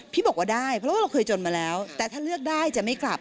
พี่บอกว่าได้เพราะว่าเราเคยจนมาแล้วแต่ถ้าเลือกได้จะไม่กลับ